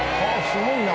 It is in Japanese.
すごいな。